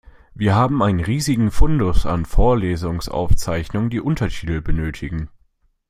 Wir haben einen riesigen Fundus an Vorlesungsaufzeichnungen, die Untertitel benötigen.